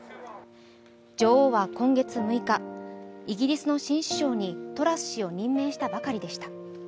女王は今月６日、イギリスの新首相にトラス氏を任命したばかりでした。